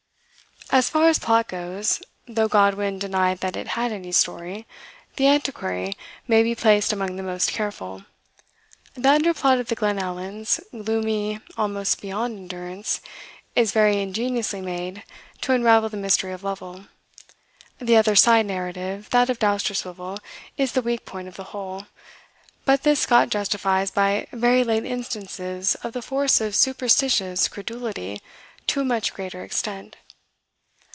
As far as plot goes, though Godwin denied that it had any story, "The Antiquary" may be placed among the most careful. The underplot of the Glenallans, gloomy almost beyond endurance, is very ingeniously made to unravel the mystery of Lovel. The other side narrative, that of Dousterswivel, is the weak point of the whole; but this Scott justifies by "very late instances of the force of superstitious credulity, to a much greater extent."